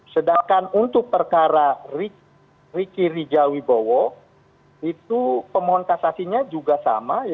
sedangkan untuk perkara riki rijawi bowo itu permohonan kasasinya juga sama